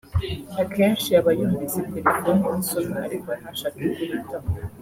akenshi aba yumvise telefone isona ariko ntashake kuyitaba